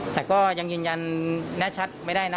แต่ก็ยังยืนยันแน่ชัดไม่ได้นะ